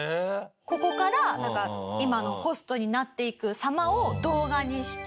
ここから今のホストになっていく様を動画にして。